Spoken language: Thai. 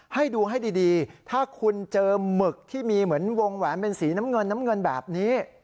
ให้ดูให้ดีถ้าคุณเจอหมึกที่มีเหมือนวงแหวนเป็นสีน้ำเงินน้ำเงินแบบนี้